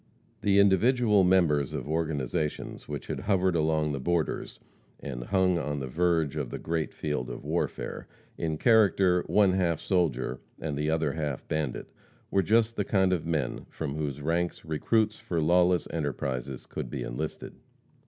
The individual members of organizations which had hovered along the borders, and hung on the verge of the great field of warfare, in character one half soldier and the other half bandit, were just the kind of men from whose ranks recruits for lawless enterprises could be enlisted.